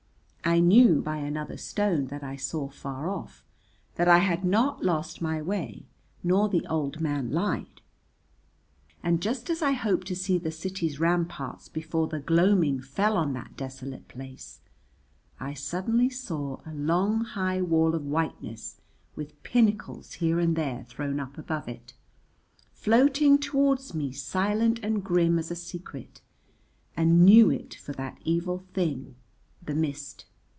I knew by another stone that I saw far off that I had not lost my way, nor the old man lied. And just as I hoped to see the city's ramparts before the gloaming fell on that desolate place, I suddenly saw a long high wall of whiteness with pinnacles here and there thrown up above it, floating towards me silent and grim as a secret, and knew it for that evil thing the mist.